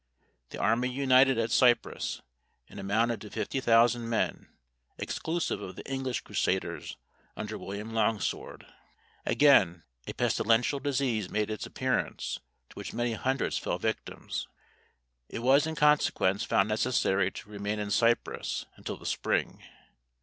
The army united at Cyprus, and amounted to fifty thousand men, exclusive of the English Crusaders under William Longsword. Again, a pestilential disease made its appearance, to which many hundreds fell victims. It was in consequence found necessary to remain in Cyprus until the spring.